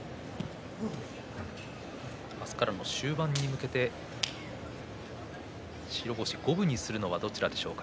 明日からの終盤に向けて白星を五分にするのはどちらでしょうか。